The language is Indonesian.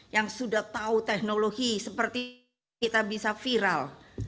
yang sudah tahu teknologi seperti kita bisa viral